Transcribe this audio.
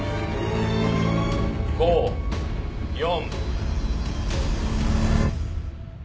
５・４。